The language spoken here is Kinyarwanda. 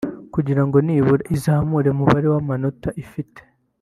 kugirango nibura izamure umubare w’amanota ifite